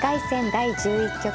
第１１局。